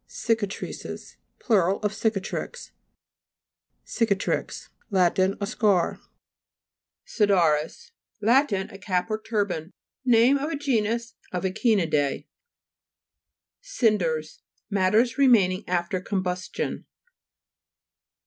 CICA'TRICES Plur. of cica'trix. CICA'TRIX Lat. A scar. CIHA'RIS Lat. A cap or turban. Name of a genus of Echini'dese (p. 150). CINDERS Matters remaining after combustion.